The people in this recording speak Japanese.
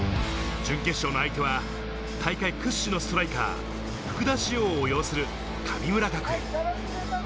準決勝の相手は大会屈指のストライカー・福田師王を擁する神村学園。